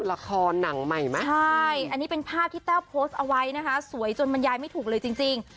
อันนี้เป็นภาพที่แต้วโพสต์เอาไว้นะคะสวยจนมันย้ายไม่ถูกเลยจริง